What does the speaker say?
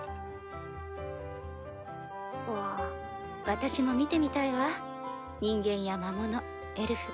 私も見てみたいわ人間や魔物エルフ